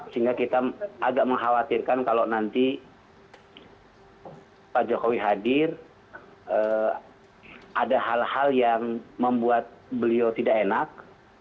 sehingga kita agak mengkhawatirkan kalau nanti pak jokowi hadir ada hal hal yang membuat beliau tidak enak